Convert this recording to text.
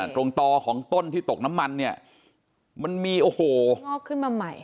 ตรงต่อของต้นที่ตกน้ำมันเนี่ยมันมีโอ้โหงอกขึ้นมาใหม่